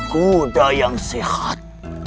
kuda yang sehat